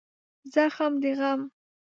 زغم د غم